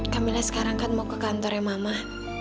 kamil sekarang kan mau ke kantornya mamah